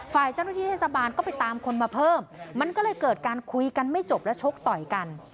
ฝ่ายเจ้าหน้าที่เทศบาลก็ไปตามคนมาเพิ่มมันก็เลยเกิดการคุยกันไม่จบและชกต่อยกัน